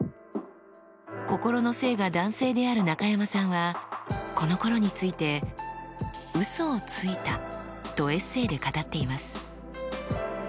心の性が男性である中山さんはこのころについて「嘘をついた」とエッセーで語っています。